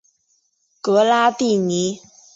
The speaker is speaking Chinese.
格拉蒂尼。